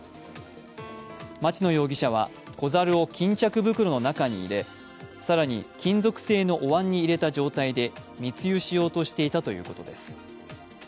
町野容疑者は子猿を巾着袋の中に入れ、更に金属製のおわんに入れた状態で密輸しようとしていたということです。